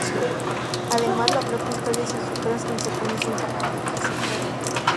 Además, la propia historia y sus futuras consecuencias se encargaron de que así fuera.